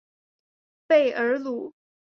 贝尔卢。